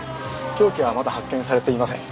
凶器はまだ発見されていません。